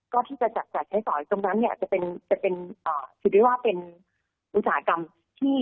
ก็ที่จะจับจ่ายใช้สอยตรงนั้นเนี่ยจะเป็นจะเป็นถือได้ว่าเป็นอุตสาหกรรมที่